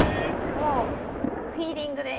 もうフィーリングで。